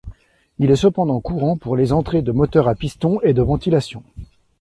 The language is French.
Il est cependant courant pour les entrées de moteur à piston et de ventilation.